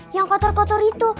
yang kotor kotor itu